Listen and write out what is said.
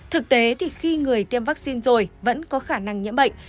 thực tế thì khi người tiêm vaccine rồi vẫn có khả năng nhiễm bệnh